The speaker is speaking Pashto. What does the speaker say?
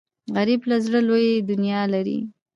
غریب له زړه لوی دنیا لري